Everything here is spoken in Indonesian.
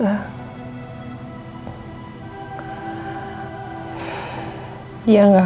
al sudah bohongin tante